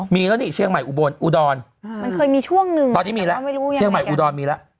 มีแล้วนี่เชียงใหม่อุบลอุดรมันเคยมีช่วงหนึ่งตอนนี้มีแล้วเชียงใหม่อุดรมีแล้ว